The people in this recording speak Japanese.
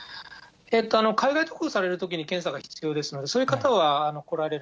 海外渡航されるときに検査が必要ですので、そういう方は来られる。